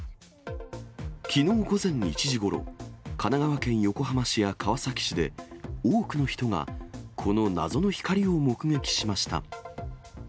きのう午前１時ごろ、神奈川県横浜市や川崎市で、多くの人がこの謎の光を目撃しました。